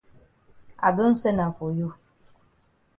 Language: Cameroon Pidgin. I don sen am for you.